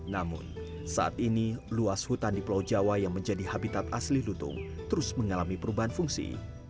namun saat ini luas hutan di pulau jawa yang menjadi habitat asli lutung terus mengalami perubahan fungsi